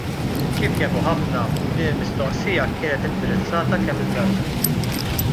Kif jafu ħafna din il-mistoqsija ġiet indirizzata kemm-il darba.